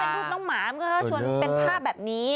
ถ้าเป็นรูปต้องหมาเป็นภาพแบบนี้